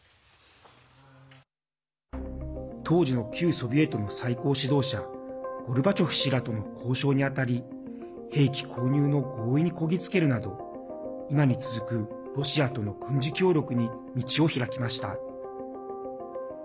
当時の旧ソビエトの最高指導者ゴルバチョフ氏らとの交渉に当たり兵器購入の合意にこぎ着けるなど今に続く、ロシアとの軍事協力に道を開きました。